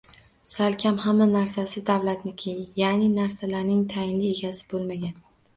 Salkam hamma narsasi davlatniki, ya’ni narsalarining tayinli egasi bo‘lmagan